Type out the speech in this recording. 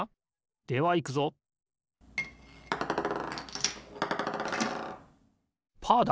ではいくぞパーだ！